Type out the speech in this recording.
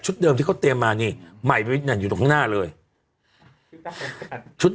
ชุดเดิมที่เขาเตรียมมานี่ใหม่อยู่ตรงข้างหน้าเลยชุด